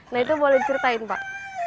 nah itu boleh diceritain pak